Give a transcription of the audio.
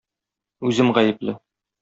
Үзем гаепле.